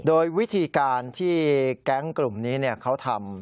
โดยวิธีการที่แก๊งกลุ่มนี้เขาทำ